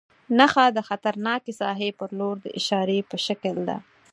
نښه د خطرناکې ساحې پر لور د اشارې په شکل ده.